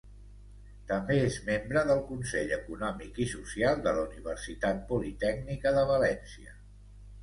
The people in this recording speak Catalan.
També és membre del Consell Econòmic i Social de la Universitat Politècnica de València.